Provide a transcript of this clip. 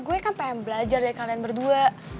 gue kan pengen belajar dari kalian berdua